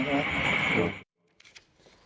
ใช่